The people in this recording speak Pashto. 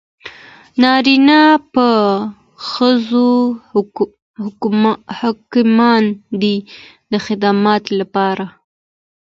نارینه په ښځو حاکمان دي د خدمت لپاره.